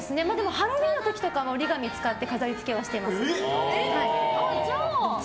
ハロウィーンの時とかは折り紙を使って飾り付けはしてます。